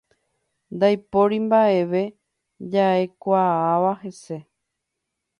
Ndaipóri mba'eve ja'ekuaáva hese.